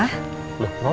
loh mau mau ke mana